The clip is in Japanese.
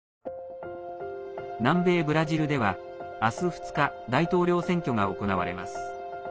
南米ブラジルでは明日２日大統領選挙が行われます。